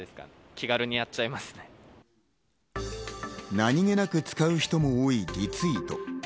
何気なく使う人も多いリツイート。